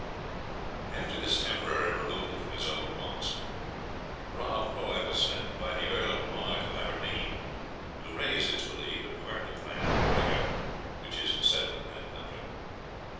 * Note C. The Loch Lomond Expedition. After this temporary removal from his old haunts, Rob Roy was sent by the Earl of Mar to Aberdeen, to raise, it is believed, a part of the clan Gregor, which is settled in that country.